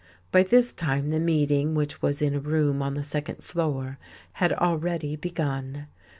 By this time the meeting, which was in a room on the second floor, had already begun.